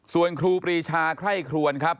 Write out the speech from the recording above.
ส่วนครูปรีชาไคร่ครวนครับ